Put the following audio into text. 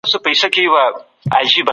د پکتیا ولایت مشهور ځای د ګردیز ماڼۍ ده.